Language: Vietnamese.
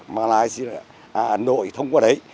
mà lai ấn đội thông qua đấy